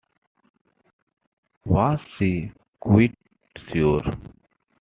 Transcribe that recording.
Was she quite sure?